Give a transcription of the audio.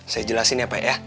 saya jelasin ya pak ya